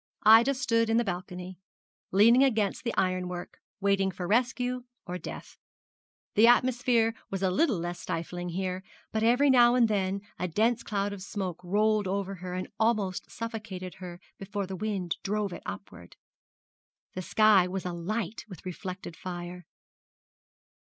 Ida stood in the balcony, leaning against the iron work, waiting for rescue or death. The atmosphere was a little less stifling here, but every now and then a dense cloud of smoke rolled over her and almost suffocated her before the wind drove it upward. The sky was alight with reflected fire.